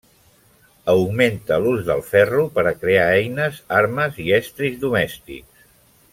Augmenta l'ús del ferro per a crear eines, armes i estris domèstics.